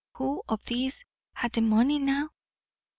Who of these had the money now?